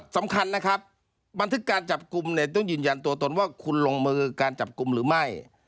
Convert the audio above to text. สำคัญนะครับบันทึกการจับกลุ่มเนี่ยต้องยืนยันตัวตนว่าคุณลงมือการจับกลุ่มหรือไม่